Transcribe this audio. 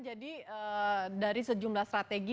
jadi dari sejumlah strategi